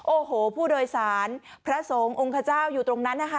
โอ้โหผู้โดยสารพระสงฆ์องค์ขเจ้าอยู่ตรงนั้นนะคะ